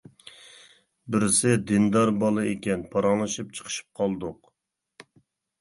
بىرسى دىندار بالا ئىكەن، پاراڭلىشىپ چىقىشىپ قالدۇق.